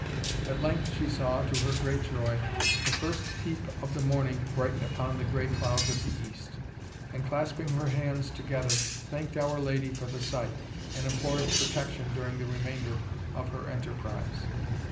At length she saw, to her great joy, the first peep of the morning brighten upon the gray clouds of the east, and, clasping her hands together, thanked Our Lady for the sight, and implored protection during the remainder of her enterprise.